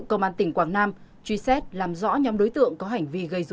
công an tỉnh quảng nam truy xét làm rõ nhóm đối tượng có hành vi gây dối